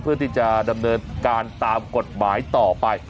เพื่อที่จะดำเนินการตามกฎหมายต่อไป